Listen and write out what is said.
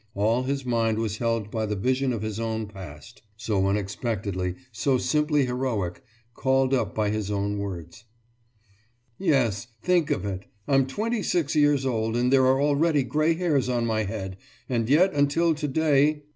All his mind was held by the vision of his own past, so unexpectedly, so simply heroic, called up by his own words. »Yes ... think of it ... I'm 26 years old and there are already grey hairs on my head, and yet until today ...